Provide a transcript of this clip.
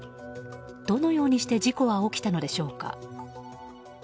どのようにして事故は起きたのでしょうか。